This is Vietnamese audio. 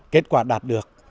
kết quả đạt được